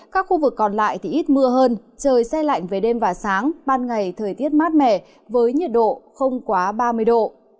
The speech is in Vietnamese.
các khu vực còn lại thì ít mưa hơn trời xe lạnh về đêm và sáng ban ngày thời tiết mát mẻ với nhiệt độ không quá ba mươi độ